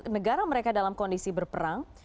negara mereka dalam kondisi berperang